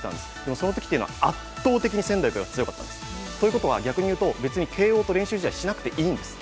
そのときは圧倒的に仙台育英が強かったんですということは、逆に言うと慶応と練習試合しなくていいんです。